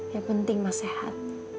yang penting mas sehat